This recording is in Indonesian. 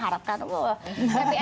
karena dia juga mengharapkan